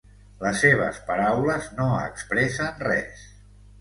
Les seves paraules no expressen res.